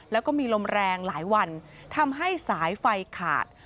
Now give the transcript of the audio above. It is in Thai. แล้วก็มีลมแรงหลายวันทำให้สายไฟขาด